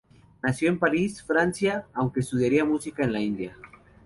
Nació en París, Francia, aunque estudiaría música en la India.